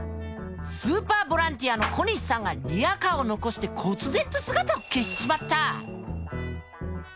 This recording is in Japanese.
スーパーボランティアの小西さんがリアカーを残してこつ然と姿を消しちまった！